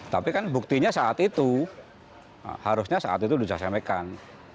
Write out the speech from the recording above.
tapi kan buktinya saat itu harusnya saat itu disasemekan